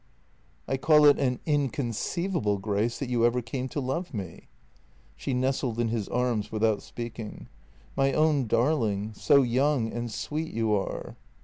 "" I call it an inconceivable grace that you ever came to love me." She nestled in his arms without speaking. " My own darling ... so young and sweet you are.